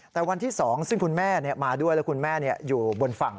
แต่วันที่๒ซึ่งคุณแม่มาด้วยแล้วคุณแม่อยู่บนฝั่ง